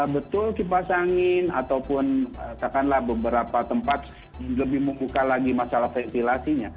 betul kipas angin ataupun katakanlah beberapa tempat lebih membuka lagi masalah ventilasinya